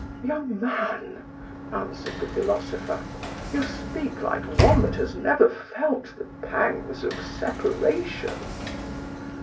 "Young man," answered the philosopher, "you speak like one that has never felt the pangs of separation."